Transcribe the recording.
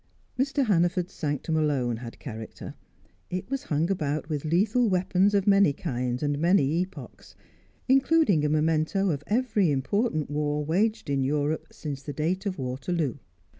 Mr. Hannaford's sanctum alone had character; it was hung about with lethal weapons of many kinds and many epochs, including a memento of every important war waged in Europe since the date of Waterloo.